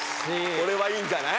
これはいいんじゃない？